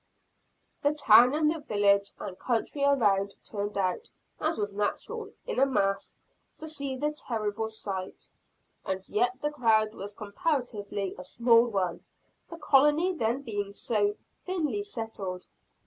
The town, and village, and country around turned out, as was natural, in a mass, to see the terrible sight. And yet the crowd was comparatively a small one, the colony then being so thinly settled.